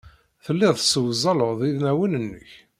Telliḍ tessewzaleḍ inawen-nnek.